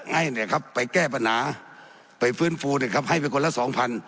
ให้เนี่ยครับไปแก้ปัญหาไปฟื้นฟูเนี่ยครับให้ไปคนละสองพัน